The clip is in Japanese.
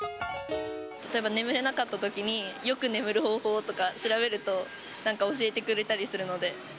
例えば眠れなかったときに、よく眠る方法とか調べると、なんか教えてくれたりするので。